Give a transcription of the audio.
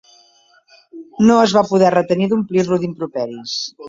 No es va poder retenir d'omplir-lo d'improperis.